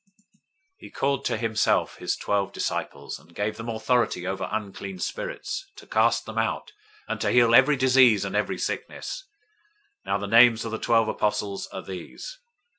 010:001 He called to himself his twelve disciples, and gave them authority over unclean spirits, to cast them out, and to heal every disease and every sickness. 010:002 Now the names of the twelve apostles are these.